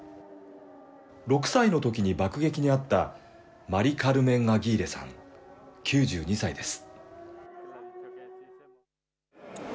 ６歳のときに爆撃に遭った、マリ・カルメン・アギーレさん９２歳です。